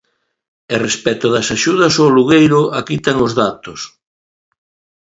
E respecto das axudas ao alugueiro aquí ten os datos.